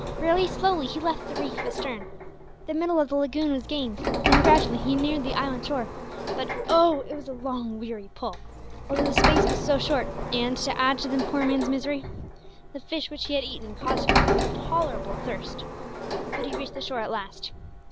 Very slowly he left the reef astern; the middle of the lagoon was gained; then, gradually, he neared the island shore, but oh! it was a long, weary pull, although the space was so short, and, to add to the poor man's misery, the fish which he had eaten caused him intolerable thirst. But he reached the shore at last.